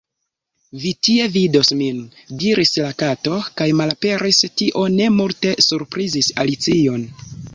"Vi tie vidos min," diris la Kato kaj malaperis! Tio ne multe surprizis Alicion.